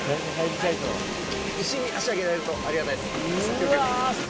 足上げられるとありがたいです。